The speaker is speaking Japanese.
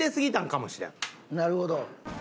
なるほど。